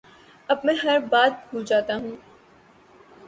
اب میں ہر بات بھول جاتا ہوں